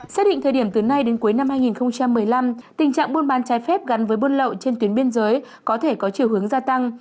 xác định thời điểm từ nay đến cuối năm hai nghìn một mươi năm tình trạng buôn bán trái phép gắn với buôn lậu trên tuyến biên giới có thể có chiều hướng gia tăng